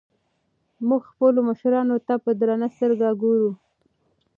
موږ خپلو مشرانو ته په درنه سترګه ګورو.